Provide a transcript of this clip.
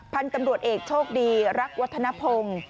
พันธุ์ตำรวจเอกโชคดีรักวัฒนภง